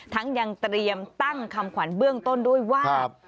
ยังเตรียมตั้งคำขวัญเบื้องต้นด้วยว่า